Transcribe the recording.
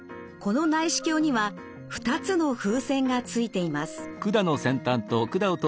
この内視鏡には２つの風船がついています。